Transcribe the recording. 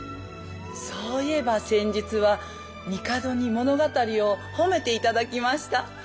そういえば先日は帝に物語を褒めて頂きました。